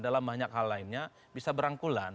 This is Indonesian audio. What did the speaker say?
dalam banyak hal lainnya bisa berangkulan